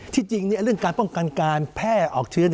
จริงเรื่องการป้องกันการแพร่ออกเชื้อ